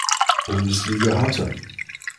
Bundesliga hatte.